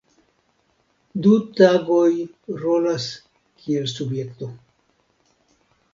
Du tagoj rolas kiel subjekto.